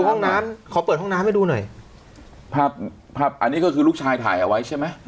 ห้องน้ำขอเปิดห้องน้ำให้ดูหน่อยภาพภาพอันนี้ก็คือลูกชายถ่ายเอาไว้ใช่ไหม